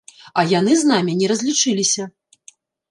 А яны з намі не разлічыліся.